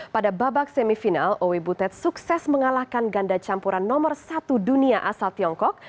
pada babak semifinal owi butet sukses mengalahkan ganda campuran nomor satu dunia asal tiongkok